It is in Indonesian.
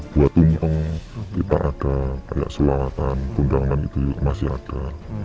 buat untuk kita ada kayak suaratan pundangan itu masih ada